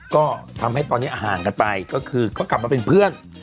ก็ทำให้ตอนนี้ห่างกันไปก็คือเขากลับมาเป็นเพื่อน